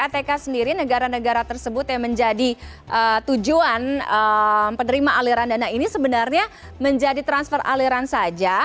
kpk sendiri negara negara tersebut yang menjadi tujuan penerima aliran dana ini sebenarnya menjadi transfer aliran saja